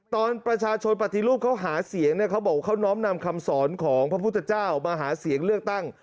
ตอนประชาชนปฏิรูปเขาหาเสียงเนี่ยเขาบอกว่าเขาน้อมนำคำสอนของพระพุทธเจ้ามาหาเสียงเลือกตั้ง